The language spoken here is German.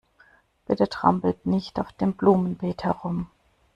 Bitte trampelt nicht auf dem Blumenbeet herum.